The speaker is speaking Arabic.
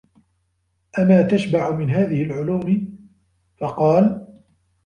أَمَا تَشْبَعُ مِنْ هَذِهِ الْعُلُومِ ؟ فَقَالَ